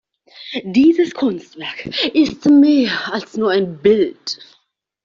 Dieses Kunstwerk ist mehr als nur ein Bild.